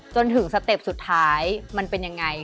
จนถึงสเต็ปสุดท้ายมันเป็นยังไง